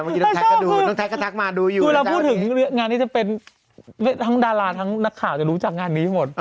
ไม่ชอบคือคือเราพูดถึงงานนี้จะเป็นทั้งดาราทั้งนักข่าวจะรู้จักงานนี้หมด